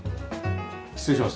失礼します。